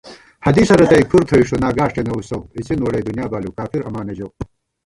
حدیثہ رتئی کُھر تھوئی ݭُنا گاݭٹےنہ وُسَؤ * اِڅِن ووڑئی دنیا بالِیؤ، کافراماں نہ ژَؤ